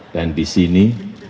dan di sini